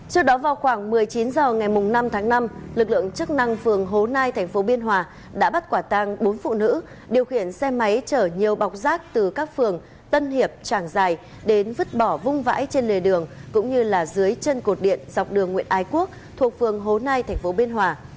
trước đó vào khoảng một mươi chín h ngày năm tháng năm lực lượng chức năng phường hố nai thành phố biên hòa đã bắt quả tăng bốn phụ nữ điều khiển xe máy chở nhiều bọc rác từ các phường tân hiệp tràng giài đến vứt bỏ vung vãi trên lề đường cũng như là dưới chân cột điện dọc đường nguyễn ái quốc thuộc phường hố nai thành phố biên hòa